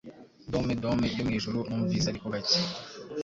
Dome dome yo mwijuru numvise ariko gake